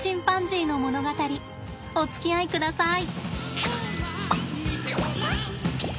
おつきあいください。